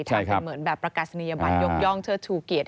ใช่ครับทางเป็นเหมือนแบบประกาศนิยบัติยกย่องเชื้อชูเกียจ